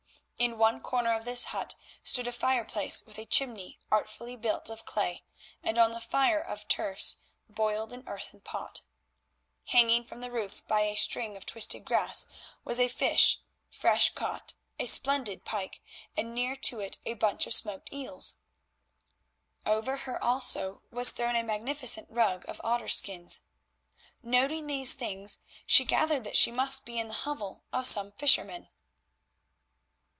In one corner of this hut stood a fireplace with a chimney artfully built of clay, and on the fire of turfs boiled an earthen pot. Hanging from the roof by a string of twisted grass was a fish, fresh caught, a splendid pike, and near to it a bunch of smoked eels. Over her also was thrown a magnificent rug of otter skins. Noting these things, she gathered that she must be in the hovel of some fisherman.